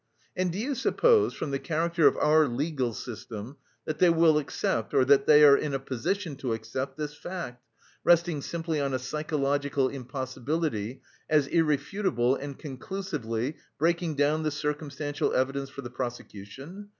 And do you suppose, from the character of our legal system, that they will accept, or that they are in a position to accept, this fact resting simply on a psychological impossibility as irrefutable and conclusively breaking down the circumstantial evidence for the prosecution?